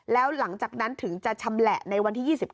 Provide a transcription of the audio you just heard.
แล้วหลังจากนั้นถึงจะชำแหละในวันที่๒๙